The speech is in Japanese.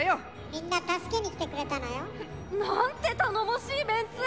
みんな助けに来てくれたのよ。なんて頼もしいメンツ！